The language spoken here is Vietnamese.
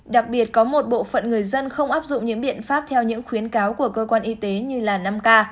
đặc biệt có một bộ phận người dân không áp dụng những biện pháp theo những khuyến cáo của cơ quan y tế như là năm k